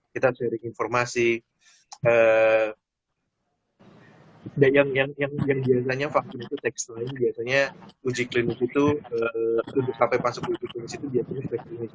kita sering informasi yang biasanya vaksin itu tekstil biasanya uji klinis itu waktu masuk ke klinis itu dia punya vaksinnya itu